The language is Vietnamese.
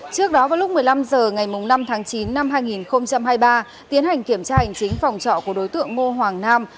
trước đó vào lúc một mươi năm h ngày năm tháng chín năm hai nghìn hai mươi ba tiến hành kiểm tra hành chính phòng trọ của đối tượng ngô hoàng nam